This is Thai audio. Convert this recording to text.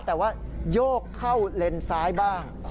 แต่ว่าโยกเข้าเลนซ้ายบ้าง